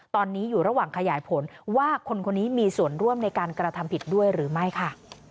ตอนนี้อยู่ระหว่างขยายผลว่าคนคนนี้มีส่วนร่วมในการกระทำผิดด้วยหรือไม่ค่ะ